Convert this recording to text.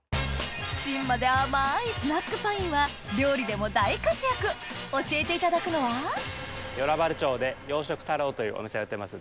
芯まで甘いスナックパインは料理でも大活躍教えていただくのは与那原町で「洋食タロウ」というお店をやってます